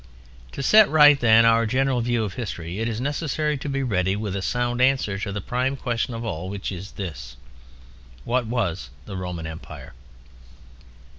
To set right, then, our general view of history it is necessary to be ready with a sound answer to the prime question of all, which is this: "What was the Roman Empire?"